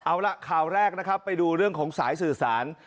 เอาล่ะข่าวแรกนะครับไปดูเรื่องของสายสื่อสาร